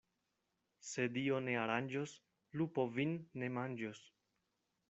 Se Dio ne aranĝos, lupo vin ne manĝos.